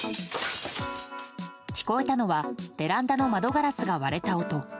聞こえたのはベランダの窓ガラスが割れた音。